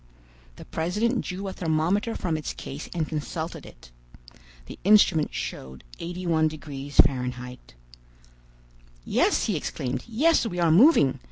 The president drew a thermometer from its case and consulted it. The instrument showed 81° Fahr. "Yes," he exclaimed, "yes, we are moving!